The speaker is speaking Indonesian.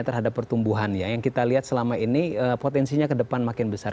terhadap pertumbuhannya yang kita lihat selama ini potensinya ke depan makin besar